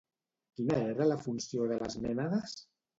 Quina era la funció de les mènades?